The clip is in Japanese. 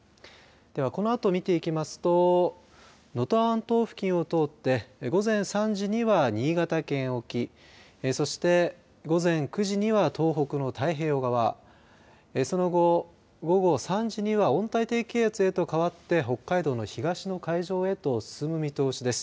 では、このあと見ていきますと能登半島付近を通って午前３時には新潟県沖そして午前９時には東北の太平洋側その後、午後３時には温帯低気圧へと変わって北海道の東の海上へと進む見通しです。